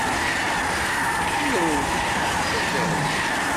Ur awen-t-id-tettak ara?